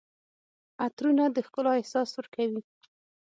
عطرونه د ښکلا احساس ورکوي.